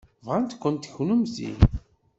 Bɣan-kent kennemti.